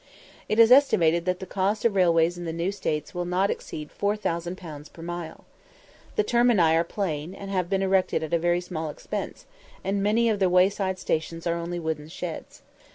It is estimated that the cost of railways in the new States will not exceed 4000_l._ per mile. The termini are plain, and have been erected at a very small expense, and many of the wayside stations are only wooden sheds.